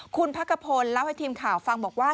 คุณพักกะพลเล่าให้ทีมข่าวฟังบอกว่า